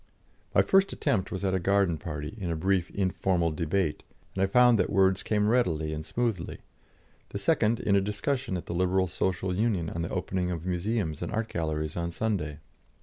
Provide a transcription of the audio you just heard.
My first attempt was at a garden party, in a brief informal debate, and I found that words came readily and smoothly: the second in a discussion at the Liberal Social Union on the opening of museums and art galleries on Sunday.